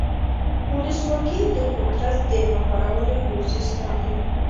ولسواکي د قدرت د مهارولو یو سیستم دی.